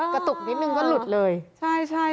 กระตุกนิดนึงก็หลุดเลย